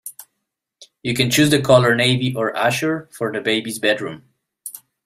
You can choose the colour Navy or Azure for the baby's bedroom.